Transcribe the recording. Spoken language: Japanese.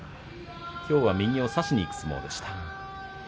きょうは右を差しにいく相撲でした。